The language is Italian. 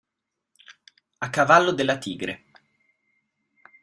A cavallo della tigre